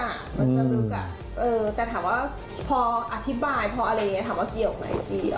แต่ถามว่าพออธิบายพออะไรอย่างนี้ถามว่าเกี่ยวไหม